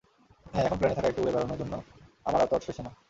হ্যাঁ, এখন প্লেনে একা একটু উড়ে বেড়ানোর জন্য আমার আর তর সইছে না!